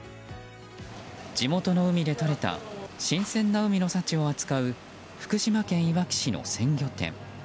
地元の海でとれた新鮮な海の幸を扱う福島県いわき市の鮮魚店。